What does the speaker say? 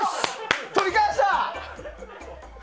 取り返した！